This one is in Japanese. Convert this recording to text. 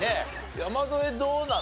山添どうなの？